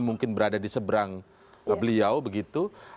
mungkin berada di seberang beliau begitu